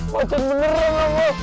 macet beneran anak lo